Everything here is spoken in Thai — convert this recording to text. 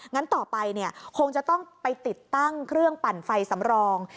งั้นต่อไปคงจะต้องไปติดตั้งเครื่องปั่นไฟสำรอง